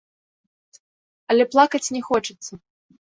Але плакаць не хочацца.